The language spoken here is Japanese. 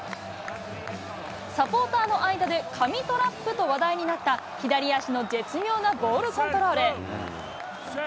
サポーターの間で神トラップと話題になった左足の絶妙なボールコントロール。